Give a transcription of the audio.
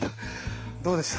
どうでした？